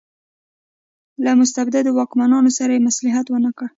له مستبدو واکمنو سره یې مصلحت ونکړ.